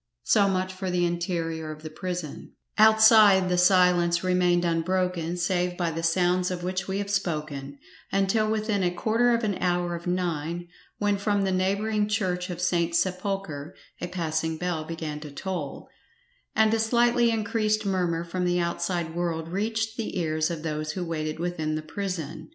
So much for the interior of the prison; outside the silence remained unbroken, save by the sounds of which we have spoken, until within a quarter of an hour of nine, when from the neighbouring church of St. Sepulchre a passing bell began to toll, and a slightly increased murmur from the outside world reached the ears of those who waited within the prison.